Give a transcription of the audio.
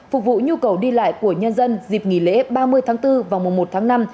phục vụ nhu cầu đi lại của nhân dân dịp nghỉ lễ ba mươi tháng bốn và mùa một tháng năm